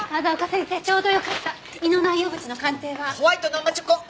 ホワイト生チョコ。